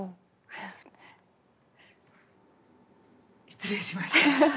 失礼しました。